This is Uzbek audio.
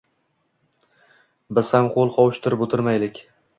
Biz ham qo`l qovushtirib o`tirmaylik